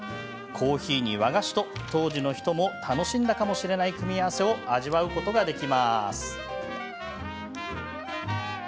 コーヒーに和菓子と当時の人も楽しんだかもしれない組み合わせを味わうことができます。